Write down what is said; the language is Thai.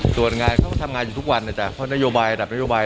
ส่วนงานเขาก็ทำงานอยู่ทุกวันนะจ๊ะเพราะนโยบายระดับนโยบาย